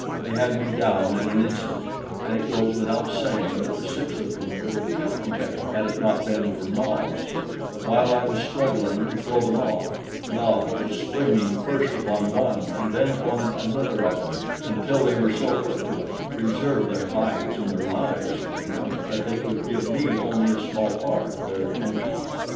They had me down in an instant, and it goes without saying that the six of them could have kept me there had it not been for Nobs; but while I was struggling to throw them off, Nobs was springing first upon one and then upon another of them until they were so put to it to preserve their hides and their lives from him that they could give me only a small part of their attention.